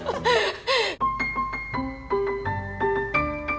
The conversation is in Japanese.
はい。